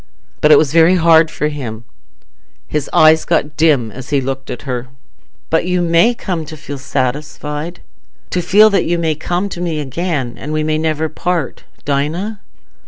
But it was very hard for him; his eyes got dim as he looked at her. "But you may come to feel satisfied... to feel that you may come to me again, and we may never part, Dinah?"